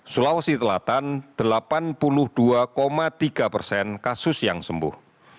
sulawesi selatan delapan puluh dua tiga persen kasus yang sembuh